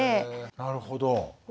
なるほど。